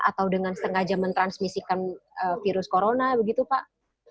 atau dengan sengaja mentransmisikan virus corona begitu pak